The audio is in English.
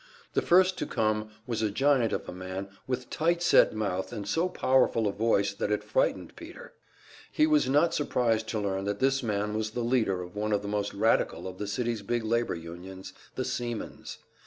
The first to come was a giant of a man with tight set mouth and so powerful a voice that it frightened Peter. He was not surprised to learn that this man was the leader of one of the most radical of the city's big labor unions, the seamen's.